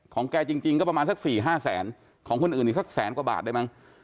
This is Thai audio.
แกจริงก็ประมาณสัก๔๕แสนของคนอื่นอีกสักแสนกว่าบาทได้มั้ง